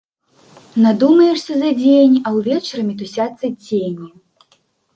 Надумаешся за дзень, а ўвечары мітусяцца цені.